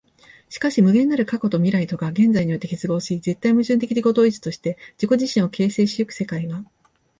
しかし無限なる過去と未来とが現在において結合し、絶対矛盾的自己同一として自己自身を形成し行く世界は、